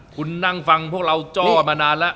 คุณนั่งฟังพวกเราจ้อมานานแล้ว